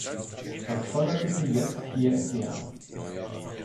Das soll er bitte jetzt hier erklären.